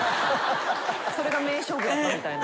それが名勝負やったみたいな。